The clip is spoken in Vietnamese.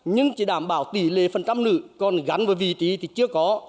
nhưng chỉ đảm bảo tỷ lệ phần trăm nữ còn gắn với vị trí thì chưa có